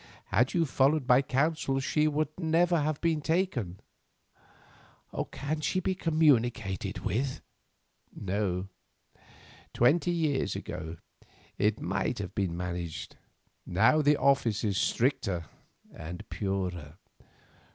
Had she followed my counsel she would never have been taken." "Can she be communicated with?" "No. Twenty years ago it might have been managed, now the Office is stricter and purer.